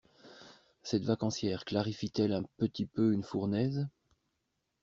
Cette vacancière clarifie-t-elle un petit peu une fournaise?